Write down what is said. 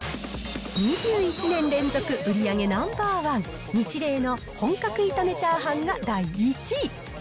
２１年連続売り上げナンバーワン、ニチレイの本格炒め炒飯が第１位。